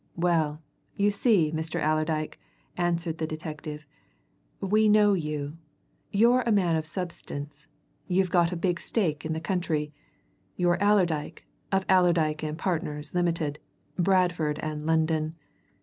"Well, you see, Mr. Allerdyke," answered the detective, "we know you. You're a man of substance, you've got a big stake in the country you're Allerdyke, of Allerdyke and Partners, Limited, Bradford and London.